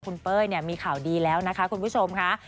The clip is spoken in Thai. คุณเป้ยมีข่าวดีแล้วนะคะคุณผู้ชมค่ะ